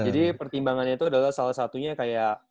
jadi pertimbangannya tuh adalah salah satunya kayak